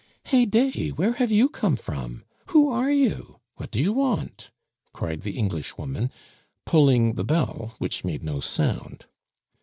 "Heyday! were have you come from? who are you? what do you want?" cried the Englishwoman, pulling the bell, which made no sound.